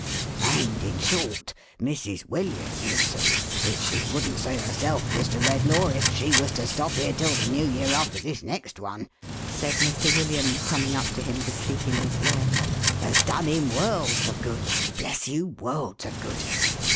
" And, in short, Mrs. William, you see — which she wouldn't say herself, Mr. Redlaw, if she was to stop here till the new year after this next one —" said Mr. William, coming up to him to speak in his ear, " has done him worlds of good ! Bless you, worlds of good